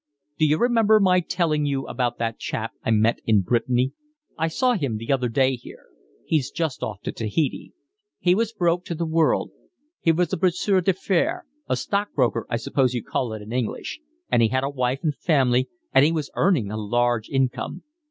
"D'you remember my telling you about that chap I met in Brittany? I saw him the other day here. He's just off to Tahiti. He was broke to the world. He was a brasseur d'affaires, a stockbroker I suppose you call it in English; and he had a wife and family, and he was earning a large income.